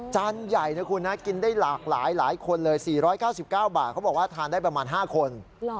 จานใหญ่นะคุณนะกินได้หลากหลายคนเลย๔๙๙บาทเขาบอกว่าทานได้ประมาณ๕คน